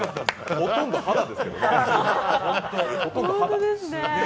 ほとんど肌ですけどね。